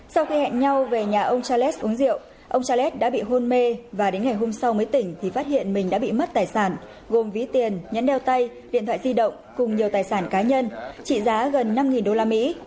sau khi hẹn nhau về nhà ông charles uống rượu ông charles đã bị hôn mê và đến ngày hôm sau mới tỉnh thì phát hiện mình đã bị mất tài sản gồm ví tiền nhấn đeo tay điện thoại di động cùng nhiều tài sản cá nhân trị giá gần năm usd